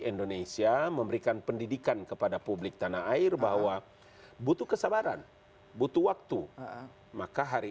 indonesia memberikan pendidikan kepada publik tanah air bahwa butuh kesabaran butuh waktu maka hari